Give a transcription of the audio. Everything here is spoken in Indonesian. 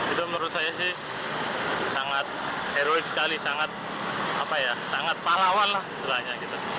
itu menurut saya sih sangat heroik sekali sangat pahlawan lah istilahnya gitu